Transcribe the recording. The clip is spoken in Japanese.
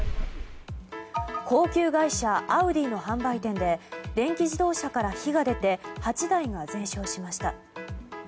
高級外車アウディの販売店で電気自動車から火が出て８台が全焼しました。